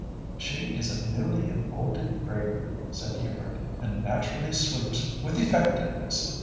"She is a newly imported broom," said Hubert, "and naturally sweeps with effectiveness.